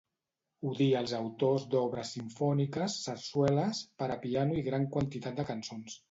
Odia els autors d'obres simfòniques, sarsueles, per a piano i gran quantitat de cançons.